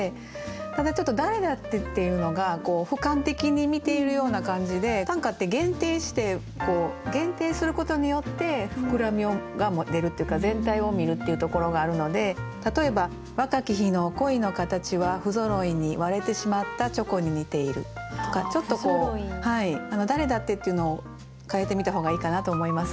ただちょっと「誰だって」っていうのがふかん的に見ているような感じで短歌って限定して限定することによって膨らみも出るっていうか全体を見るっていうところがあるので例えば「若き日の恋の形はふぞろいに割れてしまったチョコに似ている」とかちょっとこう「誰だって」っていうのを変えてみた方がいいかなと思います。